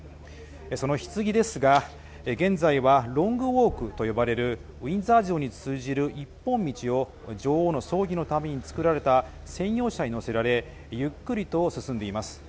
そのひつぎですが、現在はロングウォークと呼ばれるウィンザー城に通じる一本道を女王の葬儀のために作られた専用車に乗せられゆっくりと進んでいます。